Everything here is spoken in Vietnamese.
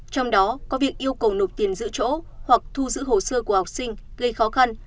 trong đó có việc yêu cầu nộp tiền giữ chỗ hoặc thu giữ hồ sơ của học sinh gây khó khăn